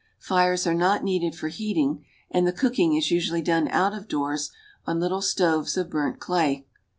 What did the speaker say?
Fires are not needed for heating, and the cooking is usually done out of doors on little stoves of burnt clay.